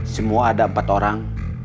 semua ada empat orang